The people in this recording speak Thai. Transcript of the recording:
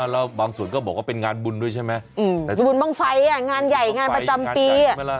แล้วบางส่วนก็บอกว่าเป็นงานบุญด้วยใช่ไหมแต่บุญบ้างไฟงานใหญ่งานประจำปี